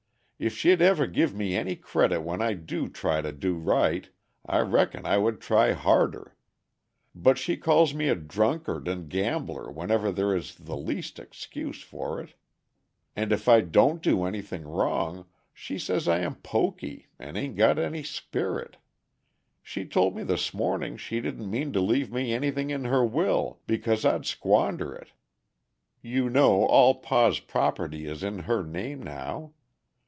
If she'd ever give me any credit when I do try to do right, I reckon I would try harder. But she calls me a drunkard and gambler whenever there is the least excuse for it; and if I don't do anything wrong she says I am pokey and a'n't got any spirit. She told me this morning she didn't mean to leave me anything in her will, because I'd squander it. You know all pa's property is in her name now.